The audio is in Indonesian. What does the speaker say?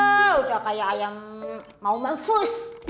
eh udah kayak ayam mau mampus